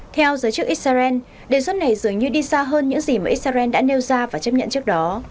theo giới chức israel đề xuất này dường như đi xa hơn những gì mà israel đã nêu ra và chấp nhận trước đó